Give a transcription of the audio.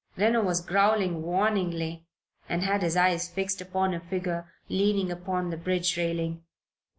Reno was growling warningly and had his eyes fixed upon a figure leaning upon the bridge railing.